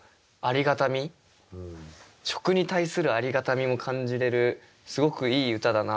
食に対するありがたみも感じれるすごくいい歌だなと。